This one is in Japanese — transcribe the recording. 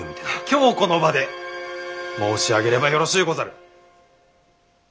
今日この場で申し上げればよろしゅうござる。